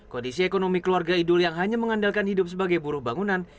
kondisi ekonomi keluarga idul yang hanya mengandalkan hidup sebagai buruh bangunan